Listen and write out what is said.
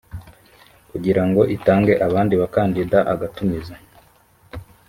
kugirango itange abandi bakandida agatumiza